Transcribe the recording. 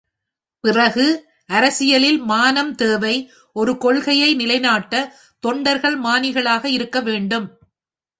பிறகு அரசியலில் மானம் தேவை ஒரு கொள்கையை நிலைநாட்ட தொண்டர்கள் மானிகளாக இருக்க வேண்டும்.